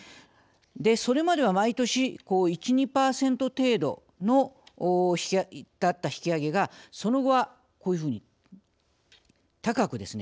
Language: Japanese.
それまでは毎年１２％程度の引き上げがその後はこういうふうに高くですね